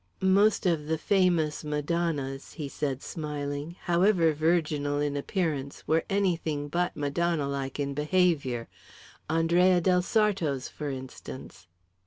"Most of the famous Madonnas," he said, smiling, "however virginal in appearance, were anything but Madonna like in behaviour Andrea del Sarto's, for instance."